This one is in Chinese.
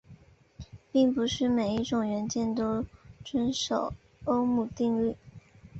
并不是每一种元件都遵守欧姆定律。